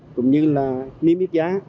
cũng như là niêm ít giá